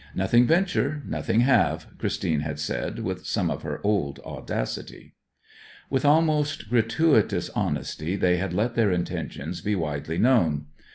'Nothing venture, nothing have,' Christine had said, with some of her old audacity. With almost gratuitous honesty they had let their intentions be widely known.